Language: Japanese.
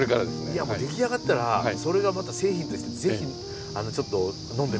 いや出来上がったらそれがまた製品としてぜひちょっと呑んでみたいです。